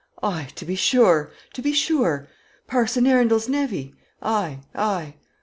Ay, to be sure, to be sure. Parson Arundel's nevy; ay, ay."